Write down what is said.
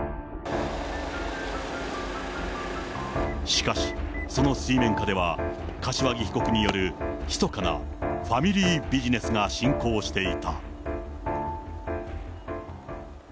しかし、その水面下では柏木被告によるひそかなファミリービジネスが進行していた。